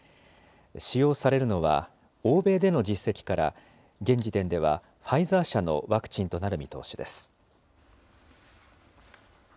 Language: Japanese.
使用されるのは、欧米での実績から、現時点ではファイザー社のワクチンとなる見通しです。